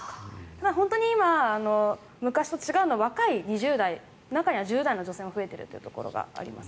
ただ、本当に今昔と違うのは若い２０代中には１０代の女性が増えていることもあります。